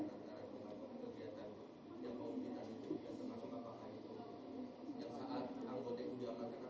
yang memiliki karya karya pembangunan kebijakan